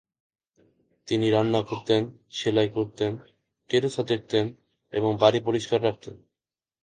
তিনি রান্না করতেন, সেলাই করতেন, টেরেসা দেখতেন এবং বাড়ি পরিষ্কার রাখতেন।